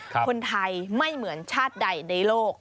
คนไทยไม่เหมือนชาติใดในโลก